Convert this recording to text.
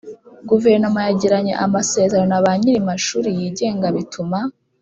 Guverinoma yagiranye amasezerano na ba nyir amashuri yigenga bituma